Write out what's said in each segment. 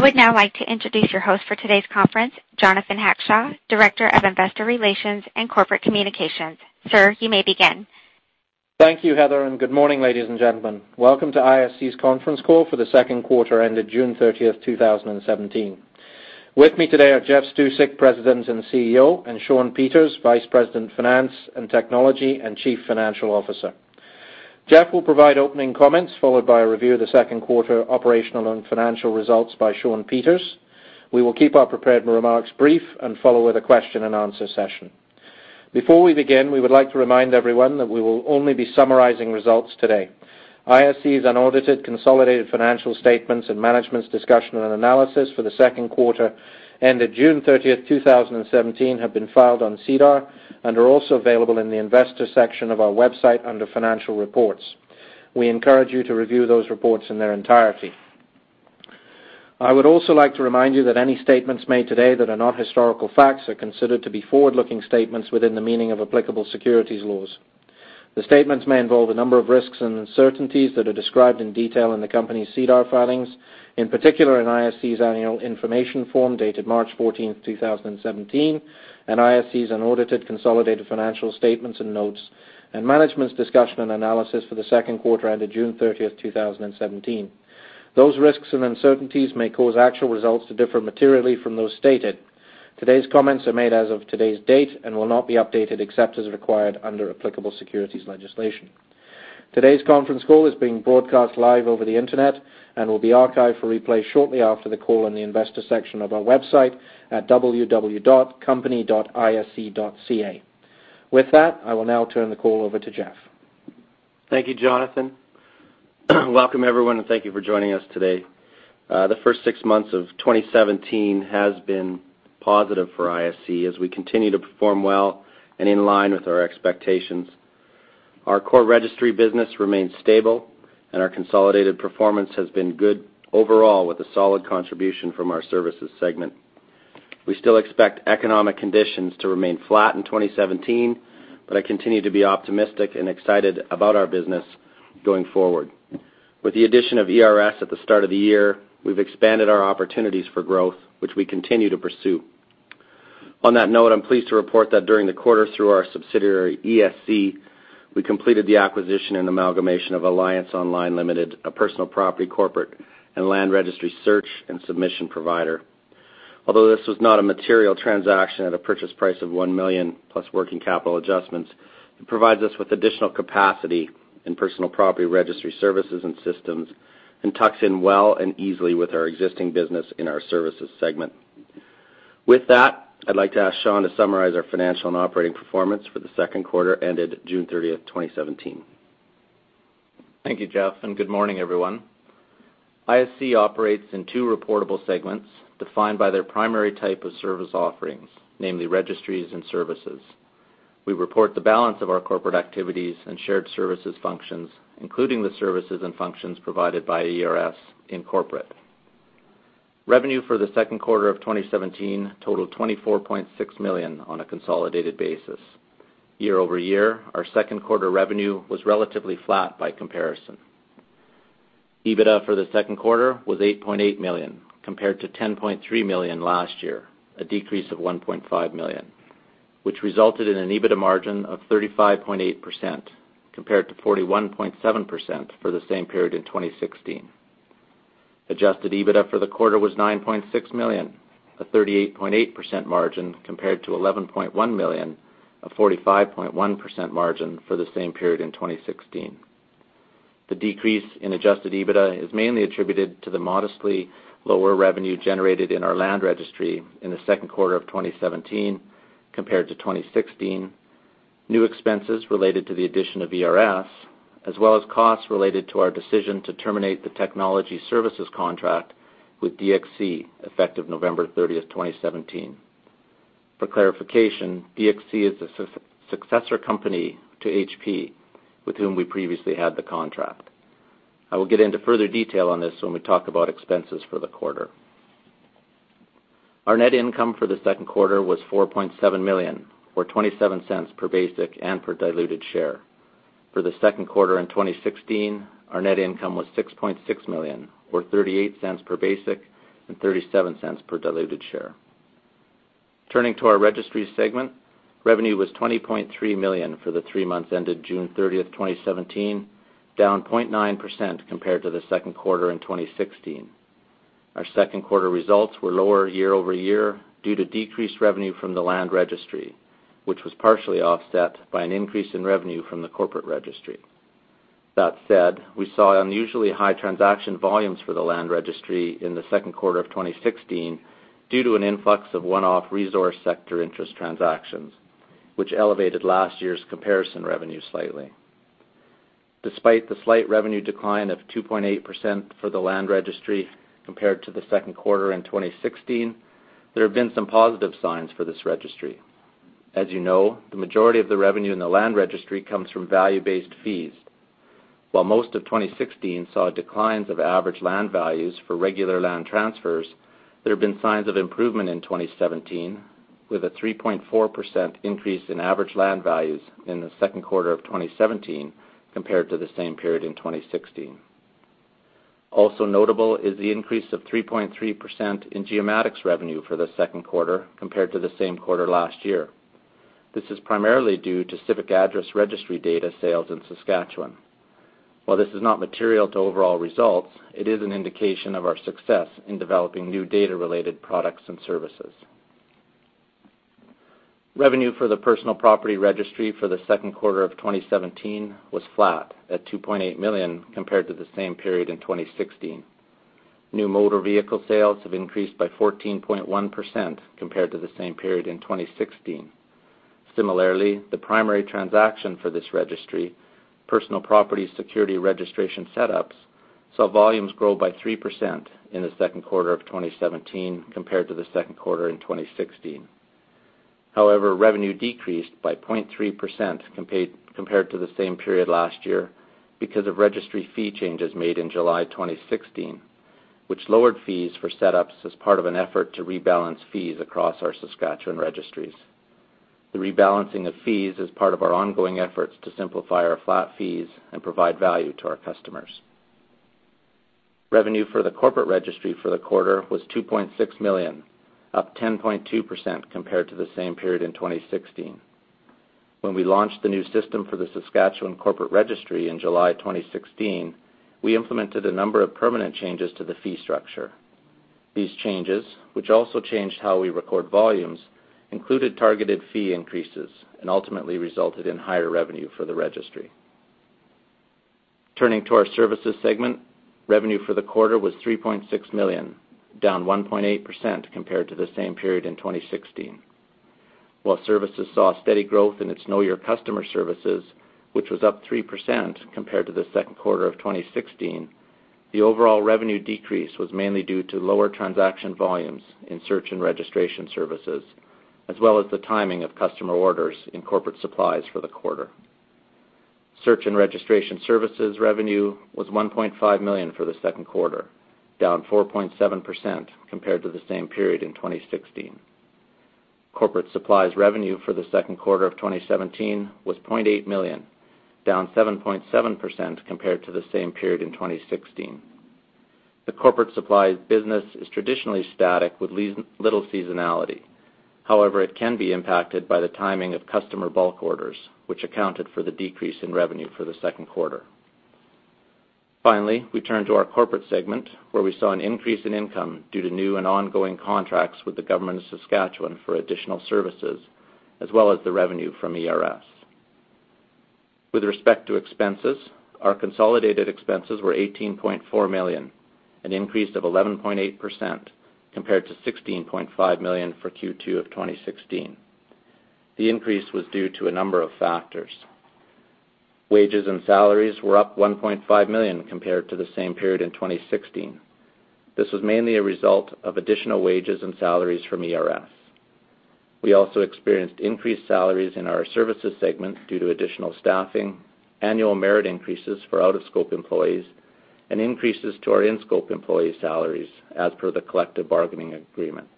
I would now like to introduce your host for today's conference, Jonathan Hackshaw, Director of Investor Relations and Corporate Communications. Sir, you may begin. Thank you, Heather, and good morning, ladies and gentlemen. Welcome to ISC's conference call for the second quarter ended June 30, 2017. With me today are Jeff Stusek, President and CEO, and Shawn Peters, Vice President, Finance and Technology, and Chief Financial Officer. Jeff will provide opening comments, followed by a review of the second quarter operational and financial results by Shawn Peters. We will keep our prepared remarks brief and follow with a question-and-answer session. Before we begin, we would like to remind everyone that we will only be summarizing results today. ISC's unaudited consolidated financial statements and Management's Discussion and Analysis for the second quarter ended June 30, 2017, have been filed on SEDAR and are also available in the investor section of our website under financial reports. We encourage you to review those reports in their entirety. I would also like to remind you that any statements made today that are not historical facts are considered to be forward-looking statements within the meaning of applicable securities laws. The statements may involve a number of risks and uncertainties that are described in detail in the company's SEDAR filings, in particular in ISC's Annual Information Form dated March 14, 2017, and ISC's unaudited consolidated financial statements and notes and management's discussion and analysis for the second quarter ended June 30, 2017. Those risks and uncertainties may cause actual results to differ materially from those stated. Today's comments are made as of today's date and will not be updated except as required under applicable securities legislation. Today's conference call is being broadcast live over the Internet and will be archived for replay shortly after the call in the investor section of our website at company.isc.ca. With that, I will now turn the call over to Jeff. Thank you, Jonathan. Welcome, everyone, and thank you for joining us today. The first six months of 2017 has been positive for ISC as we continue to perform well and in line with our expectations. Our core registry business remains stable, and our consolidated performance has been good overall with a solid contribution from our services segment. We still expect economic conditions to remain flat in 2017, but I continue to be optimistic and excited about our business going forward. With the addition of ERS at the start of the year, we've expanded our opportunities for growth, which we continue to pursue. On that note, I'm pleased to report that during the quarter through our subsidiary, ESC, we completed the acquisition and amalgamation of Alliance Online Limited, a personal property corporate and land registry search and submission provider. Although this was not a material transaction at a purchase price of 1 million plus working capital adjustments, it provides us with additional capacity in personal property registry services and systems and tucks in well and easily with our existing business in our services segment. With that, I'd like to ask Shawn to summarize our financial and operating performance for the second quarter ended June 30, 2017. Thank you, Jeff, and good morning, everyone. ISC operates in two reportable segments defined by their primary type of service offerings, namely registries and services. We report the balance of our corporate activities and shared services functions, including the services and functions provided by ERS in corporate. Revenue for the second quarter of 2017 totaled 24.6 million on a consolidated basis. Year-over-year, our second quarter revenue was relatively flat by comparison. EBITDA for the second quarter was 8.8 million compared to 10.3 million last year, a decrease of 1.5 million, which resulted in an EBITDA margin of 35.8% compared to 41.7% for the same period in 2016. Adjusted EBITDA for the quarter was 9.6 million, a 38.8% margin compared to 11.1 million, a 45.1% margin for the same period in 2016. The decrease in adjusted EBITDA is mainly attributed to the modestly lower revenue generated in our land registry in the second quarter of 2017 compared to 2016, new expenses related to the addition of ERS, as well as costs related to our decision to terminate the technology services contract with DXC effective November 30, 2017. For clarification, DXC is the successor company to HP, with whom we previously had the contract. I will get into further detail on this when we talk about expenses for the quarter. Our net income for the second quarter was 4.7 million or 0.27 per basic and per diluted share. For the second quarter in 2016, our net income was 6.6 million or 0.38 per basic and 0.37 per diluted share. Turning to our registry segment, revenue was 20.3 million for the three months ended June 30, 2017, down 0.9% compared to the second quarter in 2016. Our second quarter results were lower year-over-year due to decreased revenue from the land registry, which was partially offset by an increase in revenue from the corporate registry. That said, we saw unusually high transaction volumes for the land registry in the second quarter of 2016 due to an influx of one-off resource sector interest transactions, which elevated last year's comparison revenue slightly. Despite the slight revenue decline of 2.8% for the land registry compared to the second quarter in 2016, there have been some positive signs for this registry. As you know, the majority of the revenue in the land registry comes from value-based fees. While most of 2016 saw declines of average land values for regular land transfers, there have been signs of improvement in 2017, with a 3.4% increase in average land values in the second quarter of 2017 compared to the same period in 2016. Also notable is the increase of 3.3% in geomatics revenue for the second quarter compared to the same quarter last year. This is primarily due to Civic Address Registry data sales in Saskatchewan. While this is not material to overall results, it is an indication of our success in developing new data-related products and services. Revenue for the personal property registry for the second quarter of 2017 was flat at 2.8 million compared to the same period in 2016. New motor vehicle sales have increased by 14.1% compared to the same period in 2016. Similarly, the primary transaction for this registry, personal property security registration setups, saw volumes grow by 3% in the second quarter of 2017 compared to the second quarter in 2016. However, revenue decreased by 0.3% compared to the same period last year because of registry fee changes made in July 2016, which lowered fees for setups as part of an effort to rebalance fees across our Saskatchewan registries. The rebalancing of fees is part of our ongoing efforts to simplify our flat fees and provide value to our customers. Revenue for the corporate registry for the quarter was 2.6 million, up 10.2% compared to the same period in 2016. When we launched the new system for the Saskatchewan Corporate Registry in July 2016, we implemented a number of permanent changes to the fee structure. These changes, which also changed how we record volumes, included targeted fee increases and ultimately resulted in higher revenue for the registry. Turning to our services segment, revenue for the quarter was 3.6 million, down 1.8% compared to the same period in 2016. While services saw steady growth in its Know Your Customer services, which was up 3% compared to the second quarter of 2016, the overall revenue decrease was mainly due to lower transaction volumes in search and registration services, as well as the timing of customer orders in corporate supplies for the quarter. Search and registration services revenue was 1.5 million for the second quarter, down 4.7% compared to the same period in 2016. Corporate supplies revenue for the second quarter of 2017 was 0.8 million, down 7.7% compared to the same period in 2016. The corporate supplies business is traditionally static with little seasonality. However, it can be impacted by the timing of customer bulk orders, which accounted for the decrease in revenue for the second quarter. Finally, we turn to our corporate segment, where we saw an increase in income due to new and ongoing contracts with the Government of Saskatchewan for additional services, as well as the revenue from ERS. With respect to expenses, our consolidated expenses were 18.4 million, an increase of 11.8% compared to 16.5 million for Q2 of 2016. The increase was due to a number of factors. Wages and salaries were up 1.5 million compared to the same period in 2016. This was mainly a result of additional wages and salaries from ERS. We also experienced increased salaries in our services segment due to additional staffing, annual merit increases for out-of-scope employees, and increases to our in-scope employee salaries as per the collective bargaining agreement.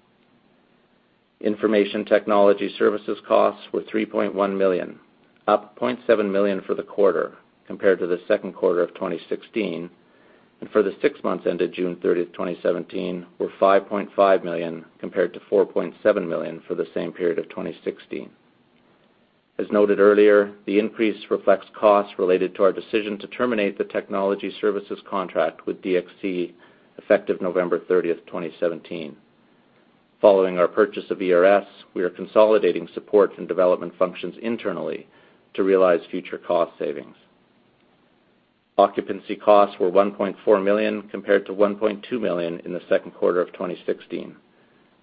Information technology services costs were 3.1 million, up 0.7 million for the quarter compared to the second quarter of 2016, and for the six months ended June 30, 2017, were 5.5 million compared to 4.7 million for the same period of 2016. As noted earlier, the increase reflects costs related to our decision to terminate the technology services contract with DXC effective November 30, 2017. Following our purchase of ERS, we are consolidating support and development functions internally to realize future cost savings. Occupancy costs were 1.4 million compared to 1.2 million in the second quarter of 2016.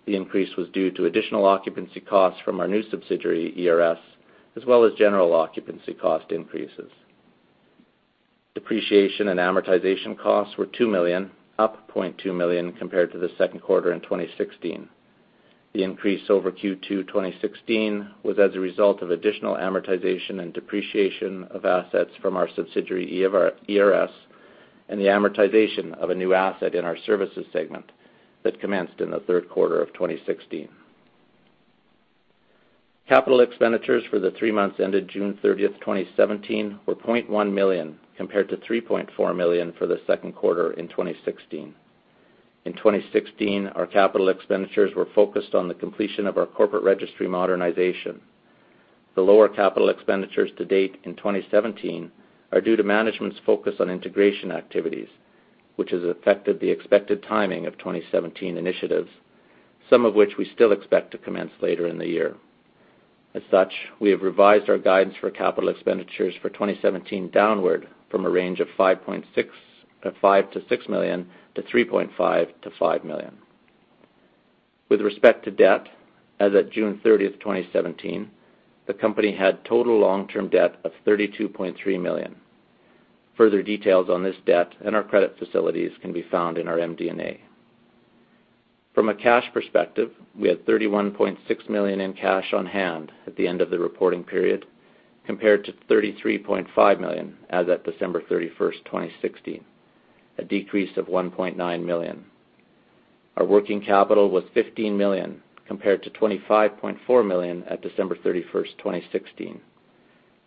The increase was due to additional occupancy costs from our new subsidiary, ERS, as well as general occupancy cost increases. Depreciation and amortization costs were 2 million, up 0.2 million compared to the second quarter in 2016. The increase over Q2 2016 was as a result of additional amortization and depreciation of assets from our subsidiary, ERS, and the amortization of a new asset in our services segment that commenced in the third quarter of 2016. Capital expenditures for the three months ended June 30, 2017 were 0.1 million compared to 3.4 million for the second quarter in 2016. In 2016, our capital expenditures were focused on the completion of our corporate registry modernization. The lower capital expenditures to date in 2017 are due to management's focus on integration activities, which has affected the expected timing of 2017 initiatives, some of which we still expect to commence later in the year. As such, we have revised our guidance for capital expenditures for 2017 downward from a range of 5.65 million-6 million to 3.5 million-5 million. With respect to debt, as of June 30, 2017, the company had total long-term debt of 32.3 million. Further details on this debt and our credit facilities can be found in our MD&A. From a cash perspective, we had 31.6 million in cash on hand at the end of the reporting period. Compared to 33.5 million as at December 31, 2016. A decrease of 1.9 million. Our working capital was 15 million, compared to 25.4 million at December 31, 2016.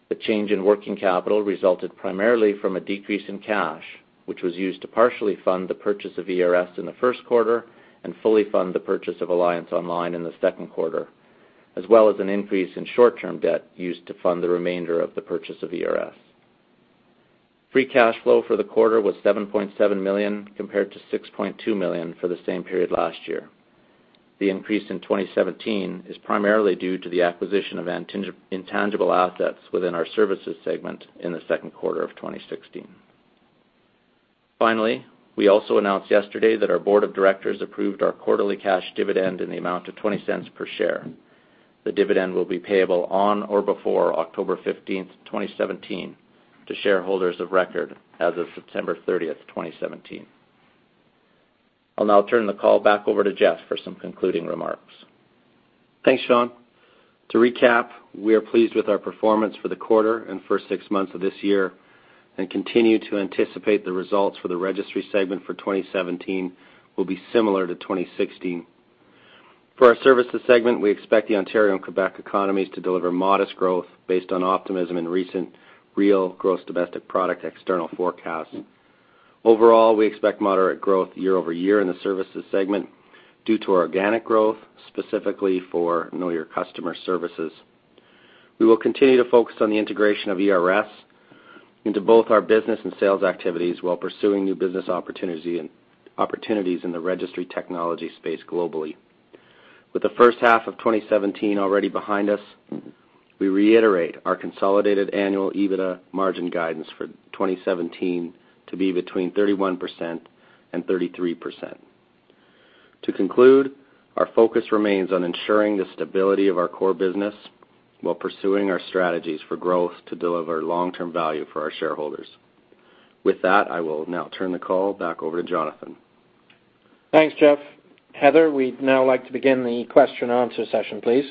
The change in working capital resulted primarily from a decrease in cash, which was used to partially fund the purchase of ERS in the first quarter and fully fund the purchase of Alliance Online in the second quarter, as well as an increase in short-term debt used to fund the remainder of the purchase of ERS. Free cash flow for the quarter was 7.7 million, compared to 6.2 million for the same period last year. The increase in 2017 is primarily due to the acquisition of intangible assets within our services segment in the second quarter of 2016. Finally, we also announced yesterday that our board of directors approved our quarterly cash dividend in the amount of 0.20 per share. The dividend will be payable on or before October 15, 2017, to shareholders of record as of September 30, 2017. I'll now turn the call back over to Jeff for some concluding remarks. Thanks, Shawn. To recap, we are pleased with our performance for the quarter and first six months of this year, and continue to anticipate the results for the registry segment for 2017 will be similar to 2016. For our services segment, we expect the Ontario and Quebec economies to deliver modest growth based on optimism in recent real gross domestic product external forecasts. Overall, we expect moderate growth year-over-year in the services segment due to organic growth, specifically for Know Your Customer services. We will continue to focus on the integration of ERS into both our business and sales activities while pursuing new business opportunities in the registry technology space globally. With the first half of 2017 already behind us, we reiterate our consolidated annual EBITDA margin guidance for 2017 to be between 31%-33%. To conclude, our focus remains on ensuring the stability of our core business while pursuing our strategies for growth to deliver long-term value for our shareholders. With that, I will now turn the call back over to Jonathan. Thanks, Jeff. Heather, we'd now like to begin the question answer session, please.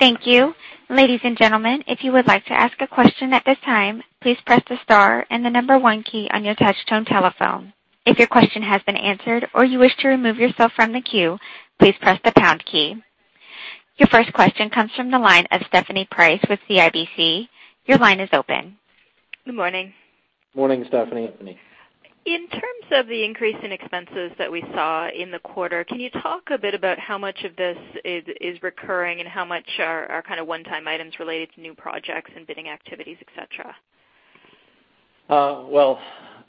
Thank you. Ladies and gentlemen, if you would like to ask a question at this time, please press the star and the number one key on your touch tone telephone. If your question has been answered or you wish to remove yourself from the queue, please press the pound key. Your first question comes from the line of Stephanie Price with CIBC. Your line is open. Good morning. Morning, Stephanie. Stephanie. In terms of the increase in expenses that we saw in the quarter, can you talk a bit about how much of this is recurring and how much are kind of one-time items related to new projects and bidding activities, et cetera? Well,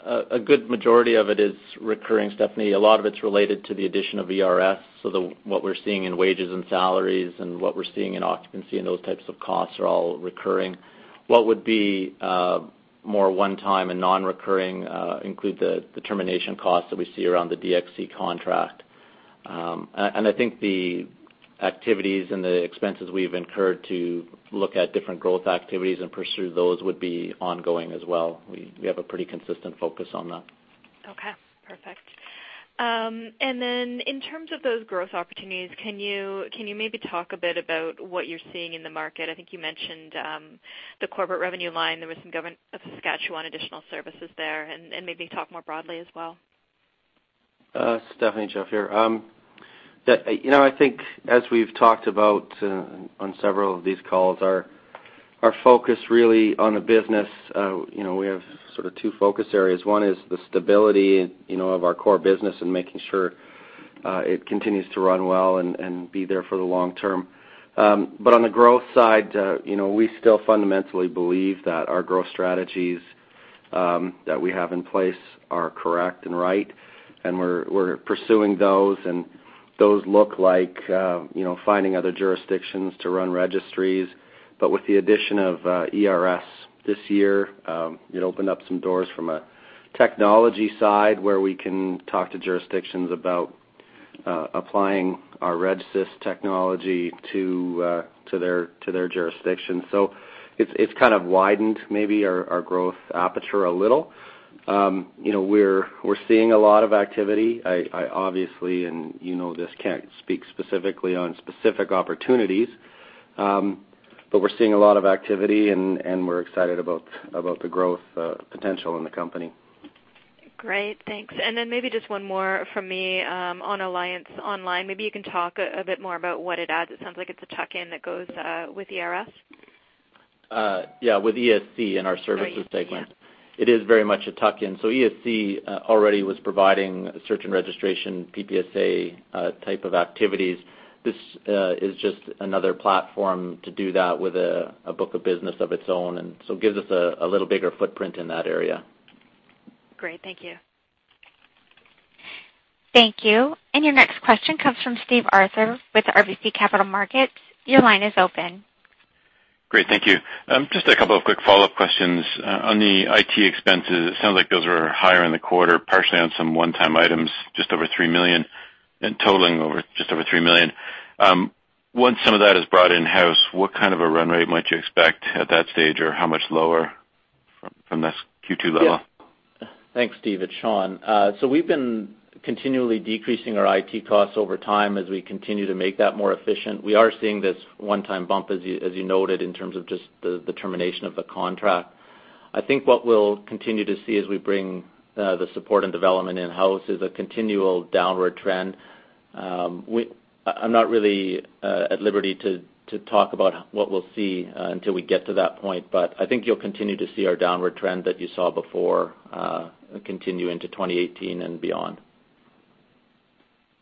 a good majority of it is recurring, Stephanie. A lot of it's related to the addition of ERS. What we're seeing in wages and salaries and what we're seeing in occupancy and those types of costs are all recurring. What would be more one time and non-recurring include the termination costs that we see around the DXC contract. I think the activities and the expenses we've incurred to look at different growth activities and pursue those would be ongoing as well. We have a pretty consistent focus on that. Okay, perfect. In terms of those growth opportunities, can you maybe talk a bit about what you're seeing in the market? I think you mentioned the corporate revenue line. There was some Government of Saskatchewan additional services there, and maybe talk more broadly as well. Stephanie, Jeff here. You know, I think as we've talked about on several of these calls, our focus really on the business, you know, we have sort of two focus areas. One is the stability, you know, of our core business and making sure it continues to run well and be there for the long term. On the growth side, you know, we still fundamentally believe that our growth strategies that we have in place are correct and right, and we're pursuing those, and those look like, you know, finding other jurisdictions to run registries. With the addition of ERS this year, it opened up some doors from a technology side where we can talk to jurisdictions about applying our RegSys technology to their jurisdiction. It's kind of widened maybe our growth aperture a little. You know, we're seeing a lot of activity. I obviously, and you know this, can't speak specifically on specific opportunities, but we're seeing a lot of activity and we're excited about the growth potential in the company. Great. Thanks. Then maybe just one more from me, on Alliance Online, maybe you can talk a bit more about what it adds. It sounds like it's a tuck-in that goes with ERS. Yeah, with ESC in our services segment. Right. Yeah. It is very much a tuck-in. ESC already was providing search and registration, PPSA type of activities. This is just another platform to do that with a book of business of its own, and so gives us a little bigger footprint in that area. Great. Thank you. Thank you. Your next question comes from Steve Arthur with RBC Capital Markets. Your line is open. Great. Thank you. Just a couple of quick follow-up questions. On the IT expenses, it sounds like those are higher in the quarter, partially on some one-time items, just over 3 million and totaling just over 3 million. Once some of that is brought in-house, what kind of a run rate might you expect at that stage, or how much lower? From this Q2 level. Yeah. Thanks, Steve. It's Shawn. So we've been continually decreasing our IT costs over time as we continue to make that more efficient. We are seeing this one-time bump, as you noted, in terms of just the termination of the contract. I think what we'll continue to see as we bring the support and development in-house is a continual downward trend. I'm not really at liberty to talk about what we'll see until we get to that point, but I think you'll continue to see our downward trend that you saw before continue into 2018 and beyond.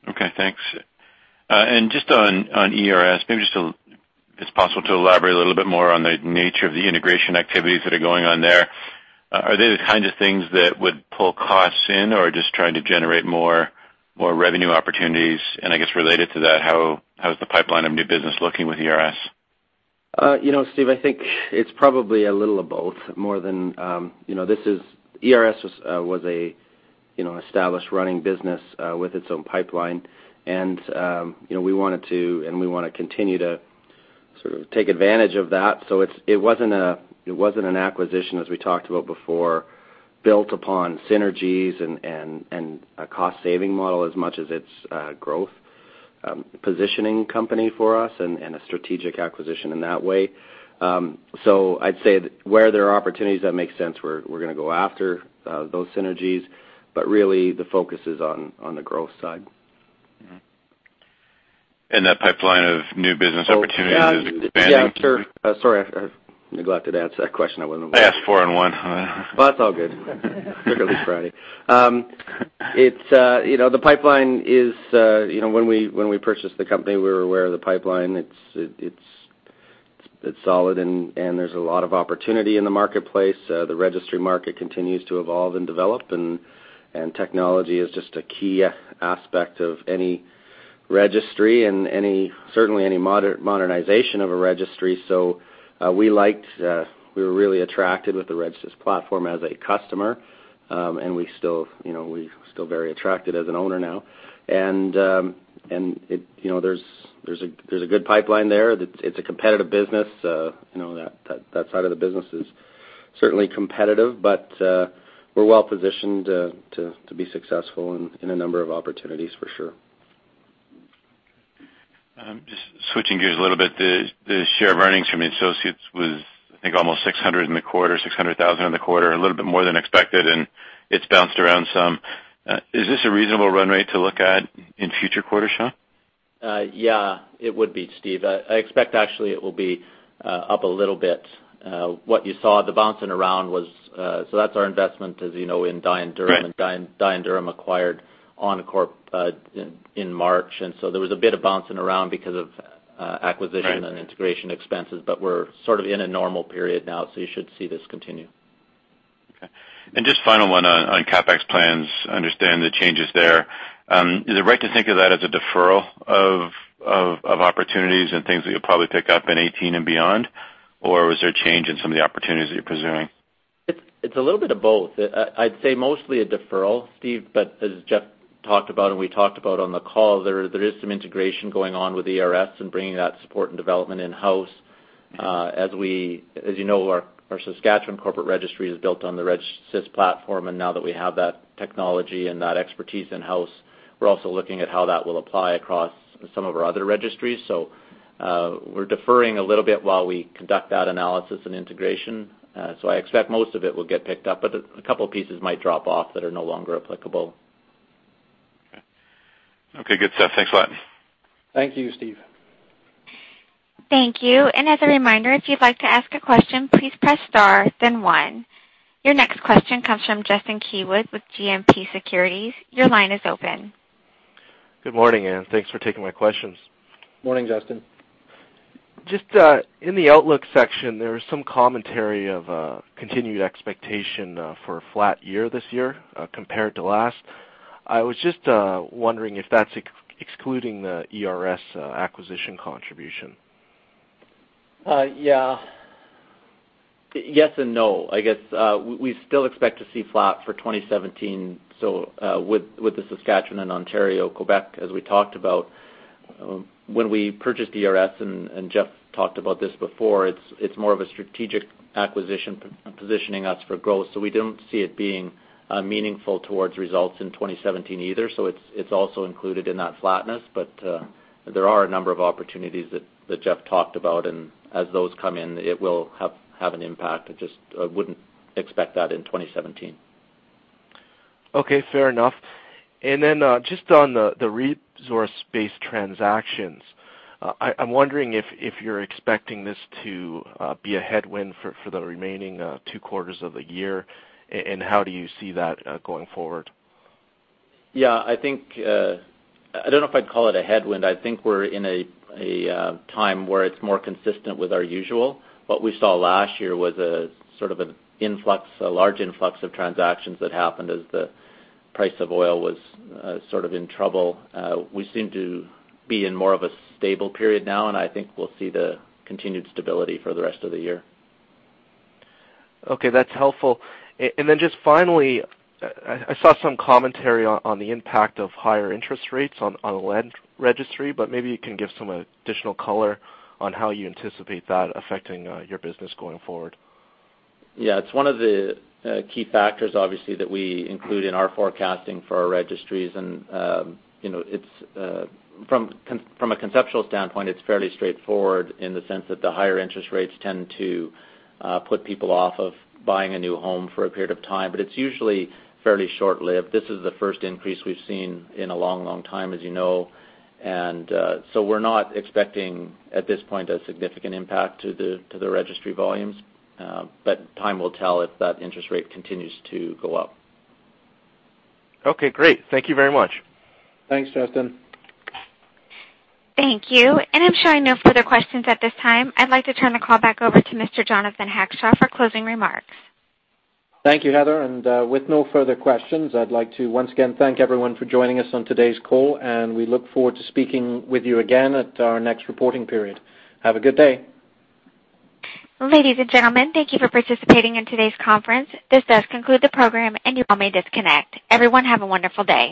Okay. Thanks. And just on ERS, maybe just to if it's possible to elaborate a little bit more on the nature of the integration activities that are going on there. Are they the kinds of things that would pull costs in or just trying to generate more revenue opportunities? And I guess related to that, how's the pipeline of new business looking with ERS? You know, Steve, I think it's probably a little of both more than you know. ERS was a you know established running business with its own pipeline and you know we wanted to and we wanna continue to sort of take advantage of that. It wasn't an acquisition as we talked about before built upon synergies and a cost saving model as much as it's growth positioning company for us and a strategic acquisition in that way. I'd say where there are opportunities that make sense we're gonna go after those synergies, but really the focus is on the growth side. Mm-hmm. That pipeline of new business opportunities is expanding? Yeah. Sure. Sorry, I neglected to answer that question. I wasn't I asked 4 in 1. Well, it's all good. Particularly Friday. You know, the pipeline is, you know, when we purchased the company, we were aware of the pipeline. It's solid and there's a lot of opportunity in the marketplace. The registry market continues to evolve and develop, and technology is just a key aspect of any registry and certainly any modernization of a registry. We were really attracted with the RegSys platform as a customer, and we're still very attracted as an owner now. It, you know, there's a good pipeline there. It's a competitive business. You know, that side of the business is certainly competitive, but we're well-positioned to be successful in a number of opportunities for sure. Just switching gears a little bit. The share of earnings from associates was, I think, almost 600,000 in the quarter, a little bit more than expected, and it's bounced around some. Is this a reasonable run rate to look at in future quarters, Shawn? Yeah, it would be, Steve. I expect actually it will be up a little bit. What you saw, the bouncing around was so that's our investment, as you know, in Dye & Durham. Right. Dye & Durham acquired OnCorp in March. There was a bit of bouncing around because of acquisition- Right Integration expenses. We're sort of in a normal period now, so you should see this continue. Okay. Just final one on CapEx plans, understanding the changes there. Is it right to think of that as a deferral of opportunities and things that you'll probably pick up in 18 and beyond? Or was there a change in some of the opportunities that you're pursuing? It's a little bit of both. I'd say mostly a deferral, Steve, but as Jeff talked about and we talked about on the call, there is some integration going on with ERS and bringing that support and development in-house. As you know, our Saskatchewan Corporate Registry is built on the RegSys platform, and now that we have that technology and that expertise in-house, we're also looking at how that will apply across some of our other registries. We're deferring a little bit while we conduct that analysis and integration. I expect most of it will get picked up, but a couple pieces might drop off that are no longer applicable. Okay. Okay, good stuff. Thanks a lot. Thank you, Steve. Thank you. As a reminder, if you'd like to ask a question, please press star then one. Your next question comes from Justin Keywood with GMP Securities. Your line is open. Good morning, and thanks for taking my questions. Morning, Justin. Just in the outlook section, there was some commentary of continued expectation for a flat year this year compared to last. I was just wondering if that's excluding the ERS acquisition contribution? Yeah. Yes and no. I guess, we still expect to see flat for 2017, with the Saskatchewan and Ontario, Quebec, as we talked about. When we purchased ERS, and Jeff talked about this before, it's more of a strategic acquisition positioning us for growth, so we don't see it being meaningful towards results in 2017 either. It's also included in that flatness. There are a number of opportunities that Jeff talked about, and as those come in, it will have an impact. I just wouldn't expect that in 2017. Okay, fair enough. Just on the resource-based transactions, I'm wondering if you're expecting this to be a headwind for the remaining two quarters of the year, and how do you see that going forward? Yeah, I think, I don't know if I'd call it a headwind. I think we're in a time where it's more consistent with our usual. What we saw last year was a sort of an influx, a large influx of transactions that happened as the price of oil was sort of in trouble. We seem to be in more of a stable period now, and I think we'll see the continued stability for the rest of the year. Okay, that's helpful. Just finally, I saw some commentary on the impact of higher interest rates on the land registry, but maybe you can give some additional color on how you anticipate that affecting your business going forward. Yeah. It's one of the key factors, obviously, that we include in our forecasting for our registries. You know, it's from a conceptual standpoint fairly straightforward in the sense that the higher interest rates tend to put people off of buying a new home for a period of time, but it's usually fairly short-lived. This is the first increase we've seen in a long time, as you know. We're not expecting at this point a significant impact to the registry volumes. Time will tell if that interest rate continues to go up. Okay, great. Thank you very much. Thanks, Justin. Thank you. I'm showing no further questions at this time. I'd like to turn the call back over to Mr. Jonathan Hackshaw for closing remarks. Thank you, Heather. With no further questions, I'd like to once again thank everyone for joining us on today's call, and we look forward to speaking with you again at our next reporting period. Have a good day. Ladies and gentlemen, thank you for participating in today's conference. This does conclude the program and you all may disconnect. Everyone, have a wonderful day.